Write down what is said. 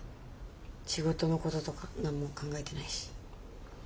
仕事のこととか何も考えてないし。